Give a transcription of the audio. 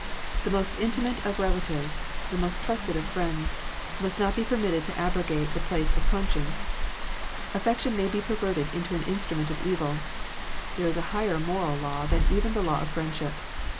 The most intimate of relatives, the most trusted of friends, must not be permitted to abrogate the place of conscience. AflFection may be perverted into an instrument of evil. There is a higher moral law than even the law of friendship.